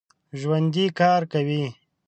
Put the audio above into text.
ژوندي کار کوي